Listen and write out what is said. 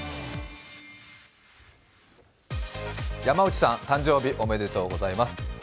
山内さん、誕生日おめでとうございます。